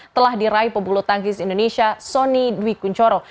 telah diraih pebulu tangkis indonesia sonny dwi kunchoro